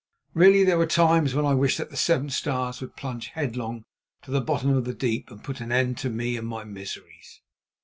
Really there were times when I wished that the Seven Stars would plunge headlong to the bottom of the deep and put an end to me and my miseries.